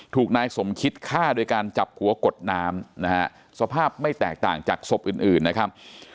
ถูกนายสมคิดฆ่าโดยการจับหัวกดน้ำนะฮะสภาพไม่แตกต่างจากศพอื่นนะครับ